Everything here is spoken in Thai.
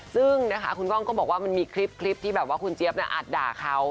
ซึ่งนะคะคุณกล้องก็บอกว่ามันมีคลิปที่แบบว่าคุณเจี๊ยบอัดด่าเขา